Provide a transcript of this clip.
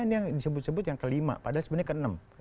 ini yang disebut sebut yang kelima padahal sebenarnya ke enam